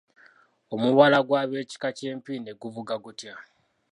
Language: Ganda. Omubala gw’abeekika ky’empindi guvuga gutya?